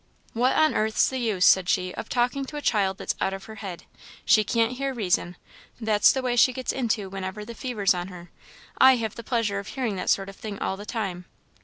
"What on earth's the use," said she, "of talking to a child that's out of her head? she can't hear reason; that's the way she gets into whenever the fever's on her. I have the pleasure of hearing that sort of thing all the time.